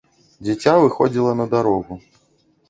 Дзіця выходзіла на дарогу.